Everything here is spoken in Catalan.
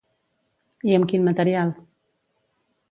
I amb quin material?